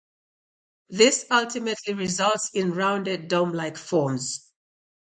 This ultimately results in rounded dome-like forms.